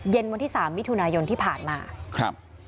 เย็นวันที่๓มิถุนายนที่ผ่านมา